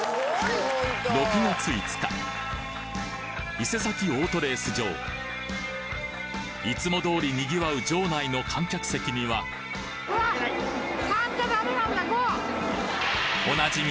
伊勢崎オートレース場いつも通り賑わう場内の観客席にはおなじみ